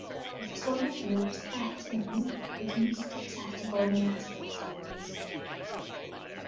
It is one of Europe's better known but least accessible monastic sites.